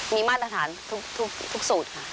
มีมาตรฐานทุกสูตรค่ะ